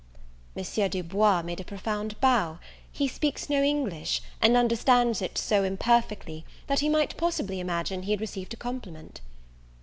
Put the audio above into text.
Monsieur Du Bois made a profound bow. He speaks no English, and understands it so imperfectly, that he might possibly imagine he had received a compliment.